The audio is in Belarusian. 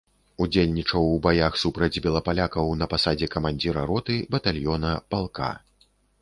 Удзельнічаў у баях супраць белапалякаў на пасадзе камандзіра роты, батальёна, палка.